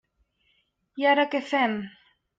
I ara què fem?